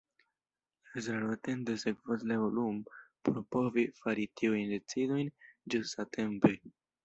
La Estraro atente sekvos la evoluon por povi fari tiujn decidojn ĝustatempe.